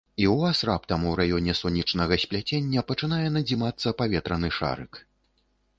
І ў вас раптам у раёне сонечнага спляцення пачынае надзімацца паветраны шарык.